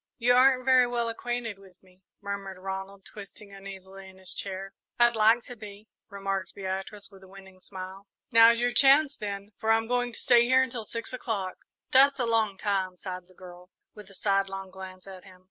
"You aren't very well acquainted with me," murmured Ronald, twisting uneasily in his chair. "I'd like to be," remarked Beatrice, with a winning smile. "Now's your chance, then, for I'm going to stay here until six o'clock." "That's a long time," sighed the girl, with a sidelong glance at him.